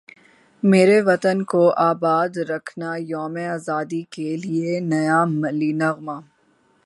میرے وطن کو اباد رکھنایوم ازادی کے لیے نیا ملی نغمہ